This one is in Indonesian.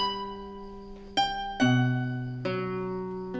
neng mah kayak gini